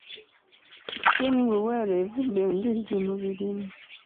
Tiimu Luweero erivvudde Ndejje mu mirimu.